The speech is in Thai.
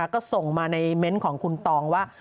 ก็ส่งมาในเม้นต์ของคุณตองว่า